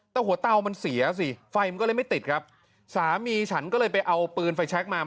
แต่หัวเตามันเสียสิไฟมันก็เลยไม่ติดครับสามีฉันก็เลยไปเอาปืนไฟแชคมา